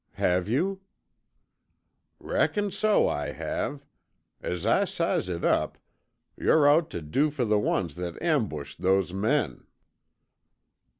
"Have you?" "Reckon so I have. As I size it up, yore out tuh do fer the ones that ambushed those men."